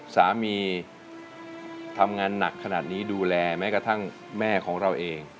สามีทำงานหนักขนาดนี้ดูแลแม้กระทั่งแม่ของเราเอง